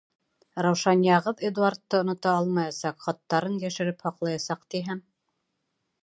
Раушанияғыҙ Эдуардты онота алмаясаҡ, хаттарын йәшереп һаҡлаясаҡ, тиһәм?